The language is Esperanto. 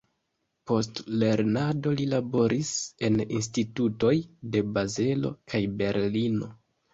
Post lernado li laboris en institutoj de Bazelo kaj Berlino.